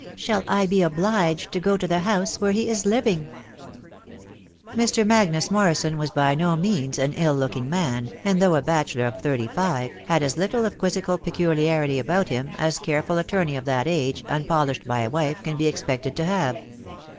.... Shall I be obliged to go to the house where he is living ?"Mr. Magnus Morrison was by no means an ill looking man, and though a bachelor of thirty five, had as little of quizzical peculiarity about him as a careful attorney of that age, unpo lished by a wife, can be expected to have.